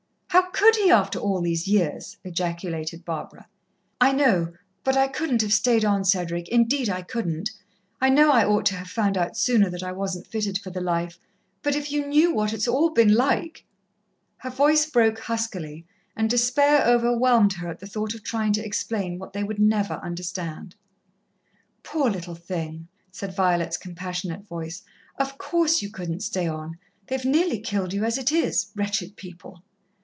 "How could he, after all these years?" ejaculated Barbara. "I know. But I couldn't have stayed on, Cedric, indeed I couldn't. I know I ought to have found out sooner that I wasn't fitted for the life but if you knew what it's all been like " Her voice broke huskily, and despair overwhelmed her at the thought of trying to explain what they would never understand. "Poor little thing!" said Violet's compassionate voice. "Of course, you couldn't stay on. They've nearly killed you, as it is wretched people!"